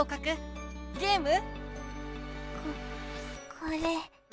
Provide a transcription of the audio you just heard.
ここれ。